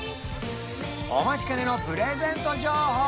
お待ちかねのプレゼント情報